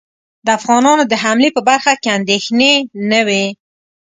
د افغانانو د حملې په برخه کې اندېښنې نه وې.